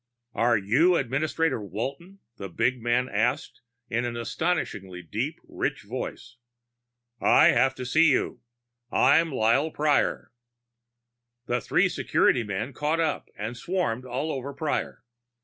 "Are you Administrator Walton?" the big man asked, in an astonishingly deep, rich voice. "I have to see you. I'm Lyle Prior." The three security men caught up and swarmed all over Prior.